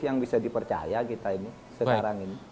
yang bisa dipercaya kita ini sekarang ini